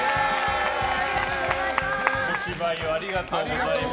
小芝居をありがとうございます。